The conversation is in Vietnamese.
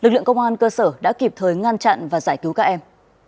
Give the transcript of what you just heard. lực lượng công an cơ sở đã kịp thời ngăn chặn và giải cứu các em